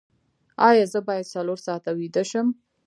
ایا زه باید څلور ساعته ویده شم؟